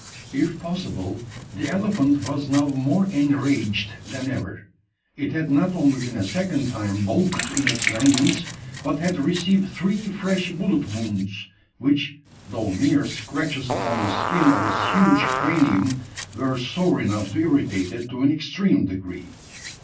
If possible, the elephant was now more enraged than ever. It had not only been a second time baulked in its vengeance, but had received three fresh bullet wounds; which, though mere scratches upon the skin of its huge cranium, were sore enough to irritate it to an extreme degree.